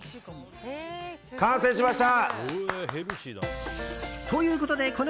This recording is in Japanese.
完成しました！